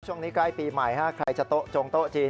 ช่วงนี้ใกล้ปีใหม่ใครจะโต๊ะจงโต๊ะจีน